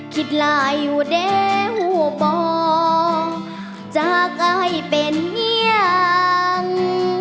คิดลายว่าได้หัวบอกจะก็ให้เป็นอย่าง